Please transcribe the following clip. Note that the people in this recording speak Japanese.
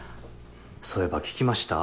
そういえば聞きました？